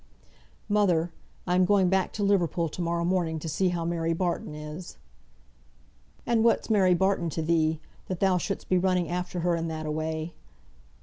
"Mother! I am going back to Liverpool to morrow morning to see how Mary Barton is." "And what's Mary Barton to thee, that thou shouldst be running after her in that a way?"